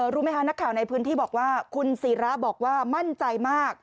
รู้ไหมคะนักข่าวในพื้นที่บอกว่าคุณศิราบอกว่ามั่นใจมาก